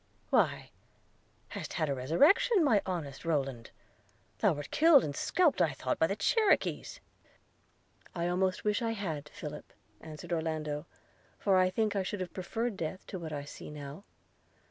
– why, hast had a resurrection, my honest Rowland? – Thou wert killed and scalped, I thought, by the Cherokees.' 'I almost wish I had, Philip,' answered Orlando, 'for I think I should have preferred death to what I now see.'